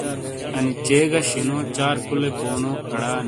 انی 'چ' گہ 'ش' نو چار کلُے کونو اڑا؟